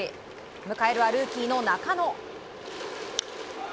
迎えるはルーキーの中野。